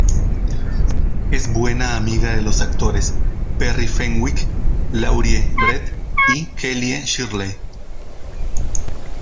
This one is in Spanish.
Es buena amiga de los actores Perry Fenwick, Laurie Brett y Kellie Shirley.